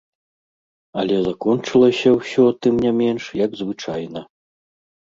Але закончылася ўсё, тым не менш, як звычайна.